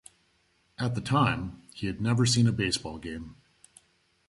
At the time, he had never seen a baseball game.